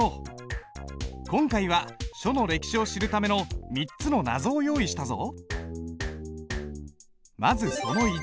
今回は書の歴史を知るための３つの謎を用意したぞ。